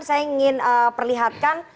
saya ingin perlihatkan